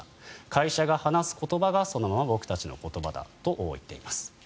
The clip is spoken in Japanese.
会社が話す言葉がそのまま僕たちの言葉だと言っています。